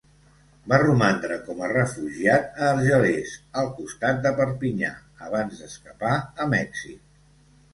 Va romandre com a refugiat a Argelers, al costat de Perpinyà, abans d'escapar a Mèxic.